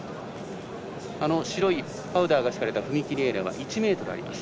白いパウダーが敷かれた踏み切りエリアは１ｍあります。